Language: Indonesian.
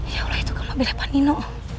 ya allah itu kan mobilnya panino